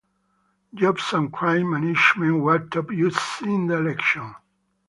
Jobs and crime management were top issues in the election.